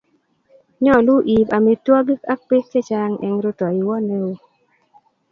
Mekat iib amitwogik ak beek chechang' eng' ruitoiwo noe